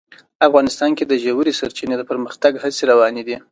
افغانستان کې د ژورې سرچینې د پرمختګ هڅې روانې دي.